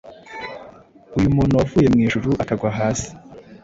Uyu muntu wavuye mu Ijuru akagwa hasi